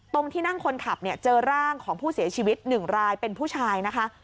ตรงที่นั่งคนขับเจอร่างของผู้เสียชีวิตหนึ่งรายเป็นผู้ชายนะคะ